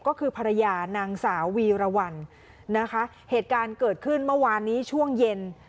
ก็คือภรรยานางสาววีรวรรณนะคะเหตุการณ์เกิดขึ้นเมื่อวานนี้ช่วงเย็น